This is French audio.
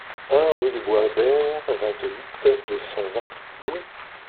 un rue du Bois Bert, vingt-huit, deux cent vingt, Douy